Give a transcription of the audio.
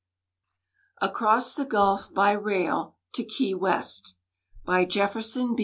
ACROSS THE GULF BY RAIL TO KEY WEST By Jefferson B.